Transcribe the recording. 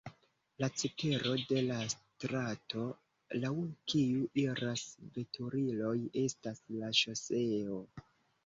La cetero de la strato, laŭ kiu iras veturiloj estas la ŝoseo.